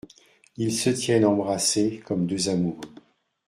Ils se tiennent embrassés comme deux amoureux.